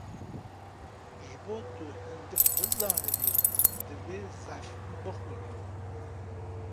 Ji bo tu hindik bizanibî divê zehf bixwînî.